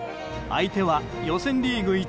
相手は予選リーグ